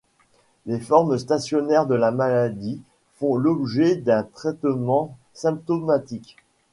Les formes stationnaires de la maladie font l'objet d'un traitement symptomatique.